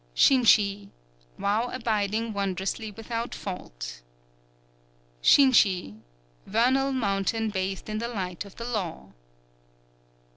_ Shinshi, Vow abiding wondrously without fault. _Shinshi, Vernal Mountain bathed in the Light of the Law.